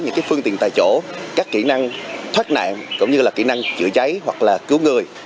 những phương tiện tại chỗ các kỹ năng thoát nạn cũng như là kỹ năng chữa cháy hoặc là cứu người